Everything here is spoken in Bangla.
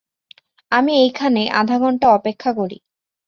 আমি এখানেই আধ ঘণ্টা অপেক্ষা করি।